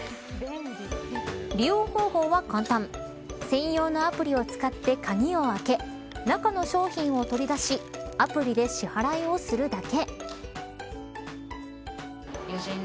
利用方法は簡単専用のアプリを使って鍵を開け中の商品を取り出しアプリで支払いをするだけ。